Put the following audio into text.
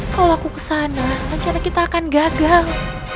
kalau aku kesana rencana kita akan gagang